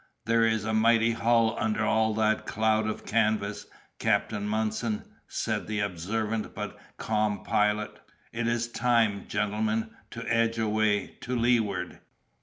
"There is a mighty hull under all that cloud of canvas, Captain Munson," said the observant but calm Pilot; "it is time, gentlemen, to edge away, to leeward."